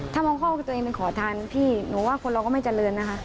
ถ้ามองข้อตัวเองเป็นขอทานพี่หนูว่าคนเราก็ไม่เจริญนะคะ